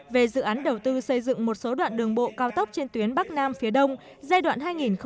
về dự án đầu tư xây dựng một số đoạn đường bộ cao tốc trên tuyến bắc nam phía đông giai đoạn hai nghìn một mươi sáu hai nghìn hai mươi